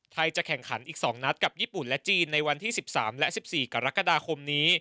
จะแข่งขันอีก๒นัดกับญี่ปุ่นและจีนในวันที่๑๓และ๑๔กรกฎาคมนี้